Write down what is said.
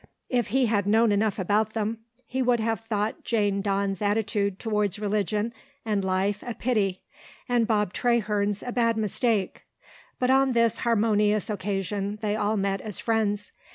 If he had known enough about them, he would have thought Jane Dawn's attitude towards religion and life a pity, and Bob Traherne's a bad mistake. But on this harmonious occasion they all met as friends.